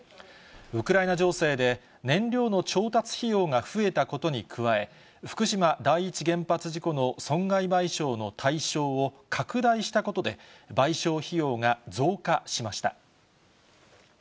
ウクライナ情勢で、燃料の調達費用が増えたことに加え、福島第一原発事故の損害賠償の対象を拡大したことで、賠償費用が増加しました。